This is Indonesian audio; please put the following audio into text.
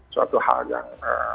suatu hal yang